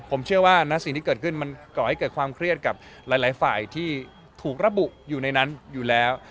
ผมเชื่อว่าณสิ่งที่เกิดขึ้นมันก่อให้เกิดความเครียดกับหลายฝ่ายที่ถูกระบุอยู่ในนั้นอยู่แล้ว